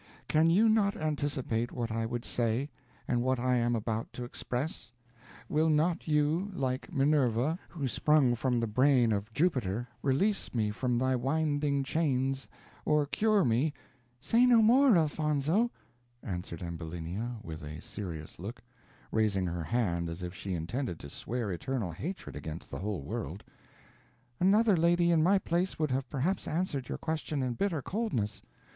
Can you not anticipate what I would say, and what I am about to express? Will not you, like Minerva, who sprung from the brain of Jupiter, release me from thy winding chains or cure me " "Say no more, Elfonzo," answered Ambulinia, with a serious look, raising her hand as if she intended to swear eternal hatred against the whole world; "another lady in my place would have perhaps answered your question in bitter coldness.